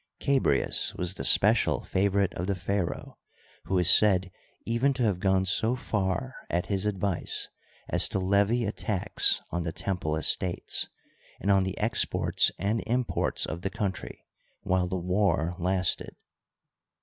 Chabrias was the special favorite of the pharaoh, who is said even to have gone so far at his advice as to levy a tax on the temple estates and on the exports and imports of the country while the war lasted.